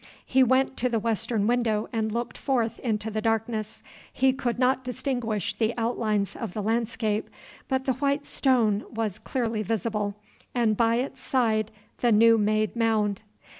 He went to the western window and looked forth into the darkness. He could not distinguish the outlines of the landscape, but the white stone was clearly visible, and by its side the new made mound.